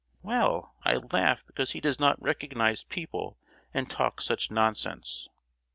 "Well, I laugh because he does not recognise people, and talks such nonsense!"